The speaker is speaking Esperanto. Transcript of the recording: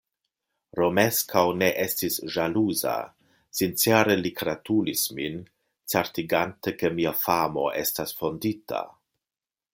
Romeskaŭ ne estis ĵaluza; sincere li gratulis min, certigante, ke mia famo estas fondita.